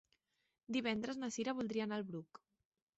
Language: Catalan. Divendres na Cira voldria anar al Bruc.